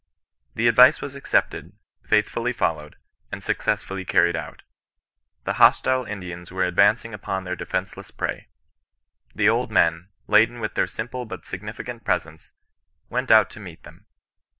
The advice was accepted, faithfully followed, and suc cessfully carried out. The hostile Indians were advanc ing upon their defenceless prey. The old men, laden with their simple but significant presents, went out to meet them.